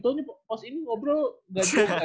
taunya pos ini ngobrol gak juga ya